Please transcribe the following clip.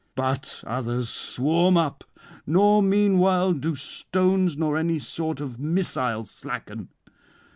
But others swarm up; nor meanwhile do stones nor any sort of missile slacken.